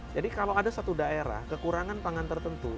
jadi kalau ada satu daerah kekurangan pangan tertentu